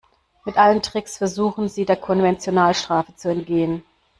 Mit allen Tricks versuchen sie, der Konventionalstrafe zu entgehen.